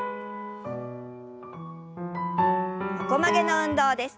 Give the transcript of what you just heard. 横曲げの運動です。